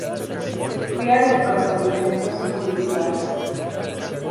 Fui a los procedimientos judiciales.